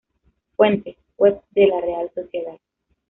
Fuente: Web de la Real Sociedad.